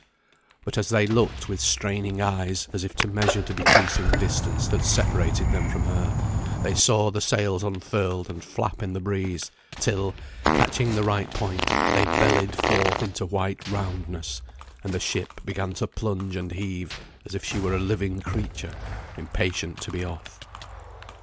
But as they looked with straining eyes, as if to measure the decreasing distance that separated them from her, they saw her sails unfurled and flap in the breeze, till, catching the right point, they bellied forth into white roundness, and the ship began to plunge and heave, as if she were a living creature, impatient to be off.